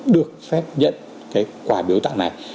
được phép nhận cái quà biểu tạng này